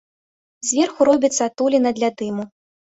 Зверху робіцца адтуліна для дыму.